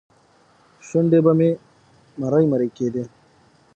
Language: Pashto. شونډې به مې مرۍ مرۍ کېدې.